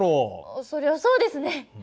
あっそりゃそうですね。